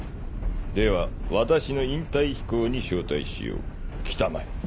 では私の引退飛行に招待しよう来たまえ。